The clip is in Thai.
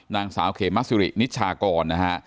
นางสาวเขมสิรินิชากรนะฮะ